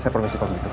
saya permisi waktu itu